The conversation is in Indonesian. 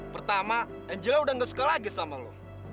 pertama angela udah gak suka lagi sama lo